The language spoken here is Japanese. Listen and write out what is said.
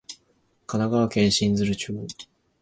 神奈川県真鶴町